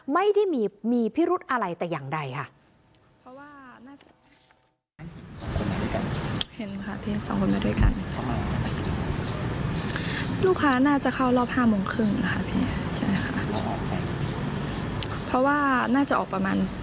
ไม่ได้มีมีพิรุธอะไรแต่อย่างใดค่ะเพราะว่าน่าจะ